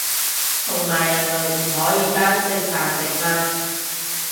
同埋人類唔可以單性繁殖嘛